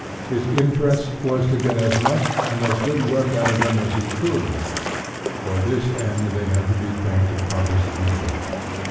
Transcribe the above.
His interest was to get as much and as good work out of them as he could; for this end they had to be trained to proper submission.